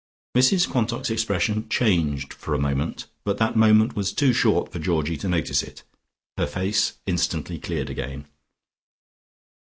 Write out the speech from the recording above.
Mrs Quantock's expression changed for a moment, but that moment was too short for Georgie to notice it. Her face instantly cleared again.